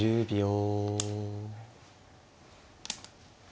１０秒。